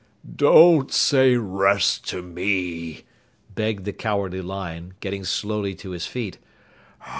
"Don't say rest to me," begged the Cowardly Lion, getting slowly to his feet.